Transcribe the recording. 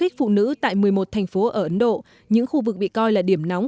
cho ấn độ những khu vực bị coi là điểm nóng